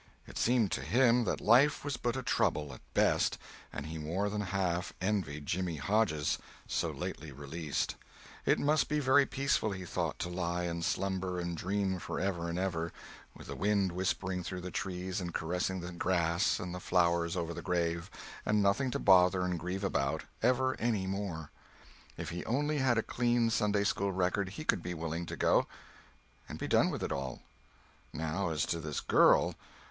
It seemed to him that life was but a trouble, at best, and he more than half envied Jimmy Hodges, so lately released; it must be very peaceful, he thought, to lie and slumber and dream forever and ever, with the wind whispering through the trees and caressing the grass and the flowers over the grave, and nothing to bother and grieve about, ever any more. If he only had a clean Sunday school record he could be willing to go, and be done with it all. Now as to this girl.